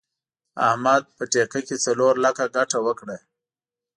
احمد په ټېکه کې څلور لکه ګټه وکړه.